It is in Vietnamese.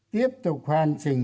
tiếp tục hoàn chỉnh